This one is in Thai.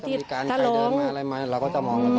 จะอยู่บ้านเรานอกจากว่าจะได้ยินอะไรที่ถ้าร้องเราก็จะมอง